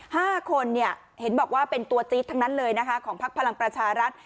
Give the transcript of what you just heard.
ห้าคนเนี่ยเห็นบอกว่าเป็นตัวจี๊ดทั้งนั้นเลยนะคะของพักพลังประชารัฐ